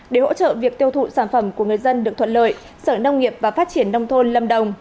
để hỗ trợ việc tiêu thụ sản phẩm của người dân được thuận lợi sở nông nghiệp và phát triển nông thôn lâm đồng